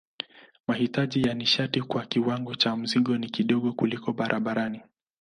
Mahitaji ya nishati kwa kiwango cha mzigo ni kidogo kuliko barabarani.